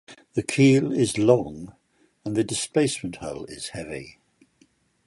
The keel is long and the displacement hull is heavy.